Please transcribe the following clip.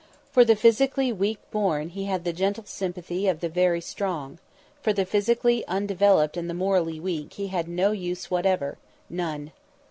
For the physically weak born, he had the gentle sympathy of the very strong; for the physically undeveloped and the morally weak he had no use whatever none.